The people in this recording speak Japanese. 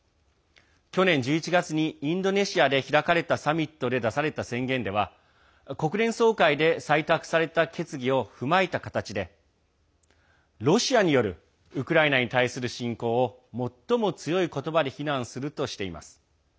去年１１月にインドネシアで開かれたサミットで出された宣言では国連総会で採択された決議を踏まえた形でロシアによるウクライナに対する侵攻を最も強い言葉で非難するとしています。